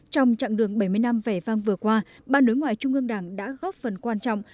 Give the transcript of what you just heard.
trong chặng đường bảy mươi năm vẻ vang vừa qua ban đối ngoại trung ương đảng đã góp phần quan trọng